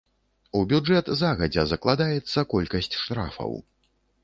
У бюджэт загадзя закладаецца колькасць штрафаў.